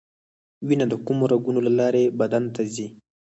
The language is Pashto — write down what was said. وینه د کومو رګونو له لارې بدن ته ځي